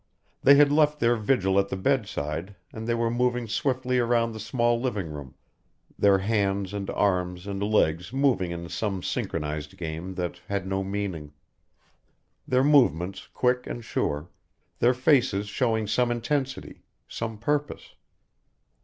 They had left their vigil at the bedside and they were moving swiftly around the small living room, their hands and arms and legs moving in some synchronized game that had no meaning their movements quick and sure their faces showing some intensity, some purpose.